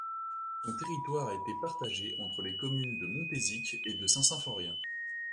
Son territoire a été partagé entre les communes de Montézic et de Saint-Symphorien.